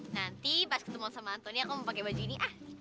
nanti pas ketemu sama antoni aku mau pakai baju ini ah